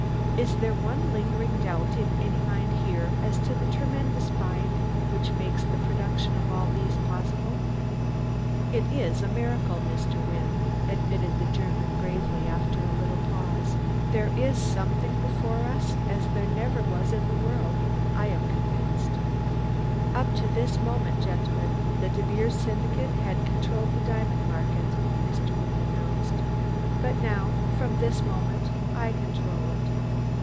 "Is there one lingering doubt in any mind here as to the tremendous find which makes the production of all those possible?" "Id iss der miracle, Mr. Vynne," admitted the German gravely, after a little pause. "Dere iss someding before us as nefer vas in der vorld. I am gonvinced!" "Up to this moment, gentlemen, the De Beers Syndicate has controlled the diamond market," Mr. Wynne announced, "but now, from this moment, I control it.